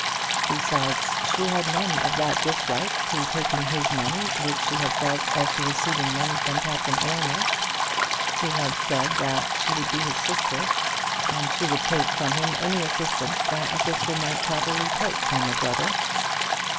Besides, she had none of that dislike to taking his money which she had felt as to receiving money from Captain Aylmer. He had said that she would be his sister, and she would take from him any assistance that a sister might properly take from a brother.